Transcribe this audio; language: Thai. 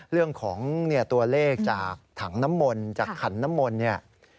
เรื่องของตัวเลขจากถังน้ำมนต์จากขันน้ำมนต์เนี่ย